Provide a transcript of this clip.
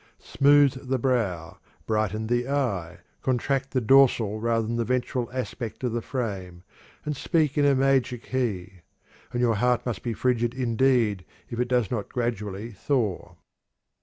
Smooth the brow, brighten the eye, contract the dorsal rather than the ventral aspect of the frame, and speak in a major key, and your heart must be frigid indeed if it does not gradually thaw."